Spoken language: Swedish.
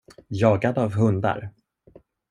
Jagad av hundar.